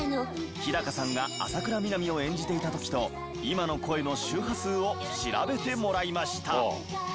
日さんが浅倉南を演じていた時と今の声の周波数を調べてもらいました。